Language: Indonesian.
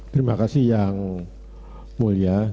terima kasih yang mulia